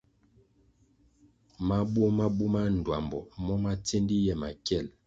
Mabuo ma buma ndtuambo mo ma tsendi ye makiel.